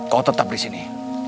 kau tetap di sini